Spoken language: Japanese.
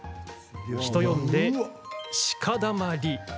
人呼んで、鹿だまり。